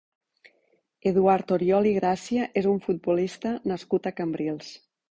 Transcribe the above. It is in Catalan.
Eduard Oriol i Gràcia és un futbolista nascut a Cambrils.